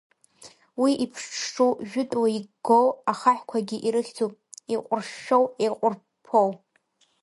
Уи иԥҽҽу, жәытәла иггоу, ахаҳәқәагьы ирыхьӡуп, еиҟәыршәшәоу, еиҟәырԥԥоу.